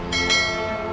ada pada gusih prabu